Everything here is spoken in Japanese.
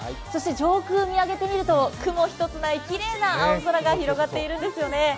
上空を見上げてみると雲一つないきれいな青空が広がっているんですよね。